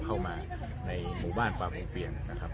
เข้ามาในหมู่บ้านป่าวงเปียนนะครับ